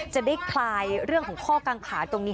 จะได้คลายเรื่องของข้อกังขาตรงนี้